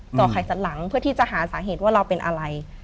อกไข่สันหลังเพื่อที่จะหาสาเหตุว่าเราเป็นอะไร